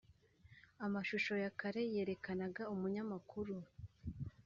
Amashusho ya kare yerekanaga umunyamakuru